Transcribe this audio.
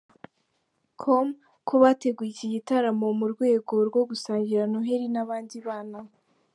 com ko bateguye iki gitaramo mu rwego rwo gusangira Noheli n’abandi bana.